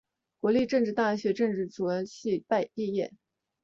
国立政治大学政治学系毕业。